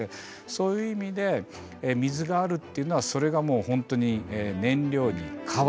そういう意味で水があるっていうのはそれがもう本当に燃料に変わると。